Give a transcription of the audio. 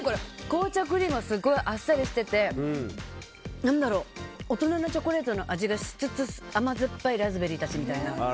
紅茶クリームがすごいあっさりしてて大人のチョコレートの味がしつつ甘酸っぱいラズベリーみたいな。